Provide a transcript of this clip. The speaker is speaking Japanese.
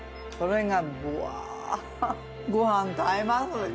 それがぶわご飯と合います。